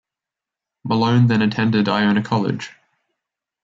Malone then attended Iona College.